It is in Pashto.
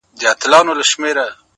ستا خــوله كــي ټــپه اشــنا؛